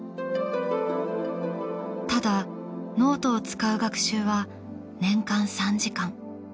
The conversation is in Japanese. ただノートを使う学習は年間３時間。